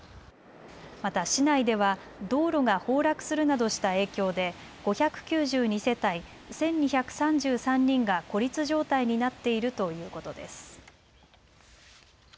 また市内では道路が崩落するなどした影響で５９２世帯１２３３人が孤立状態になっているということです。